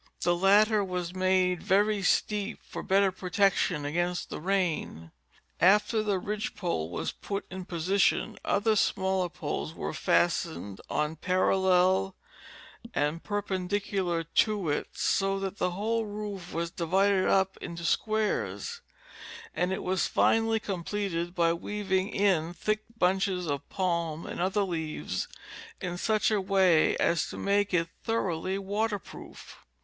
The latter was made very steep for better protection against the rain. After the ridge pole was put in position other smaller poles were fastened on parallel and perpendicular to it so that the whole roof was divided up into squai'es, and it was finally completed by weaving in thick bunches of palm and other leaves in such a way as to make it thoroughly water proof.